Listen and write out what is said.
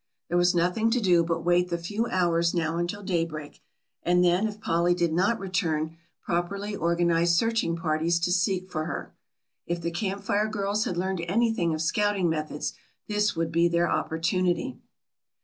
There was nothing to do but wait the few hours now until daybreak and then if Polly did not return, properly organize searching parties to seek for her. If the Camp Fire girls had learned anything of scouting methods, this would be their opportunity.